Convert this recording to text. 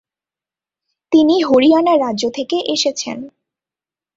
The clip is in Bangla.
তিনি হরিয়ানা রাজ্য থেকে এসেছেন।